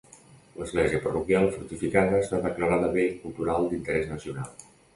L'església parroquial fortificada està declarada bé cultural d'interès nacional.